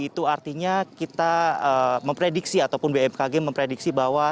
jadi itu artinya kita memprediksi ataupun bmkg memprediksi bahwa